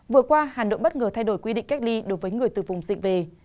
vừa qua hà nội bất ngờ thay đổi quy định cách ly đối với người từ vùng dịch về